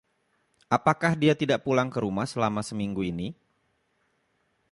Apakah dia tidak pulang ke rumah selama seminggu ini..?